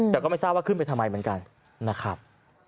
แต่ก็ไม่ทราบว่าขึ้นไปทำไมเหมือนกันนะครับ